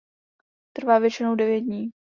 Trvá většinou devět dní.